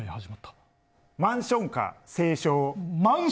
マンション歌、斉唱。